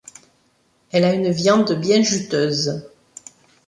Elle a une viande bien juteuse.